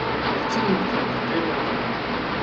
Ečč lmektub teqqimeḍ.